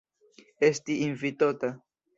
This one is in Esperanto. Esti invitota.